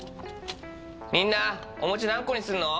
みんなお餅何個にするの？